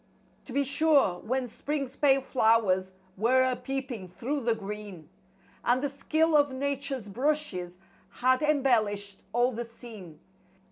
To be sure, when spring's pale flowers were a peeping through the green, And the skill of Nature's brushes had em¬ bellished all the scene.